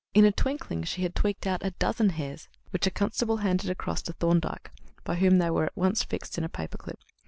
In a twinkling she had tweaked out a dozen hairs, which a constable handed across to Thorndyke, by whom they were at once fixed in a paper clip.